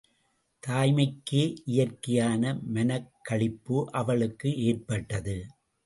தாய்மைக்கே இயற்கையான மனக்களிப்பு அவளுக்கு ஏற்பட்டது.